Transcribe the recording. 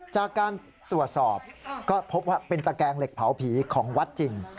จากการตรวจสอบก็พบว่าเป็นตะแกงเหล็กเผาผีของวัดจริง